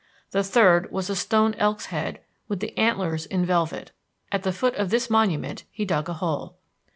The third was a stone elk's head with the antlers in velvet. At the foot of this monument he dug a hole.